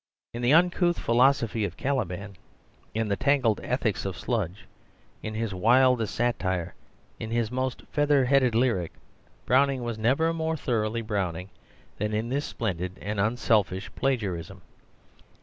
In the uncouth philosophy of Caliban, in the tangled ethics of Sludge, in his wildest satire, in his most feather headed lyric, Browning was never more thoroughly Browning than in this splendid and unselfish plagiarism.